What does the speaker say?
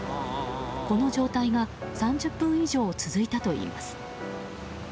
この状態が３０分以上続いたといいます。